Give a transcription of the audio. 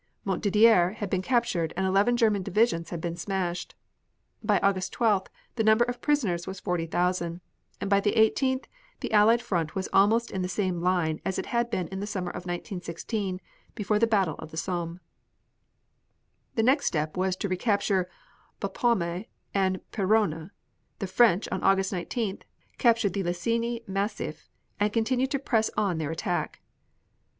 Montdidier had been captured, and eleven German divisions had been smashed. By August 12th the number of prisoners was 40,000, and by the 18th the Allied front was almost in the same line as it was in the summer of 1916, before the battle of the Somme. The next step was to capture Bapaume and Peronne. The French, on August 19th, captured the Lassigny Massif, and continued to press on their attack.